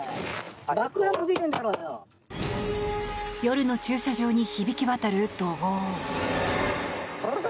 夜の駐車場に響き渡る怒号。